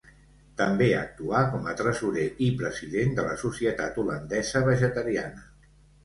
També actuà com a tresorer i president de la Societat Holandesa Vegetariana.